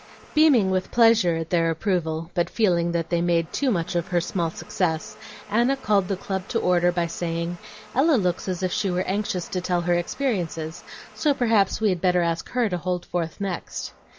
Beaming with pleasure at their approval, but feeling that they made too much of her small success, Anna called the club to order by saying, "Ella looks as if she were anxious to tell her experiences, so perhaps we had better ask her to hold forth next."